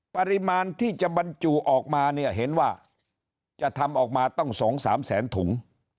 ปริมาณที่จะบรรจุออกมาเนี่ยเห็นว่าจะทำออกมาต้อง๒๓แสนถุง